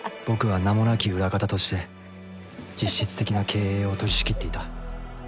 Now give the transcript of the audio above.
僕は名もなき裏方として実質的な経営を取り仕切っていた。